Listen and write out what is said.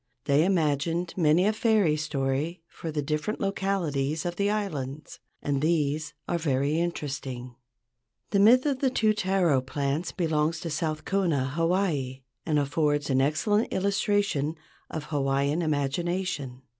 They imagined many a fairy story for the different localities of the islands, and these are very interesting. The myth of the two taro plants belongs to South Kona, Hawaii, and affords an excellent illustration of Hawaiian imagination.